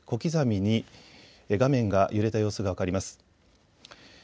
小刻みに画面が揺れた様子が分かります。